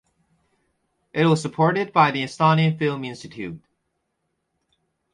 It was supported by the Estonian Film Institute.